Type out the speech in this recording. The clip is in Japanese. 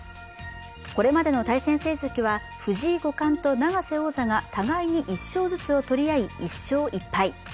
これまでの対戦成績は藤井五冠と永瀬王座が互いに１勝ずつを取り合い１勝１敗。